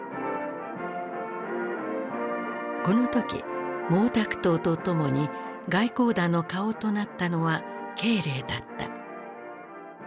この時毛沢東と共に外交団の顔となったのは慶齢だった。